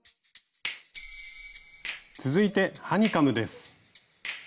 続いてハニカムです。